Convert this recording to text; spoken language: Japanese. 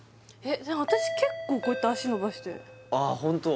私結構こうやって足伸ばしてああホント？